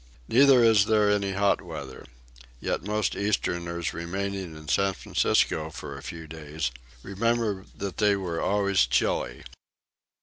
Neither is there any hot weather. Yet most Easterners remaining in San Francisco for a few days remember that they were always chilly.